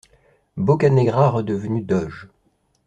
- Boccanegra redevenu doge.